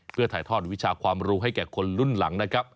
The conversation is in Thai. เพื่อถ่ายทอดวิชาความรู้ให้แก่คนรุ่นหลังนะครับ